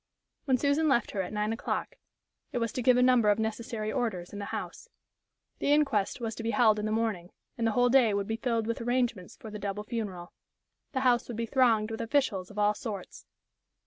When Susan left her at nine o'clock, it was to give a number of necessary orders in the house. The inquest was to be held in the morning, and the whole day would be filled with arrangements for the double funeral. The house would be thronged with officials of all sorts.